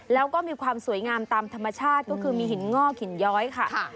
แล้วก็มีความสวยงามตามธรรมชาติก็คือมีหินงอกหินย้อยค่ะ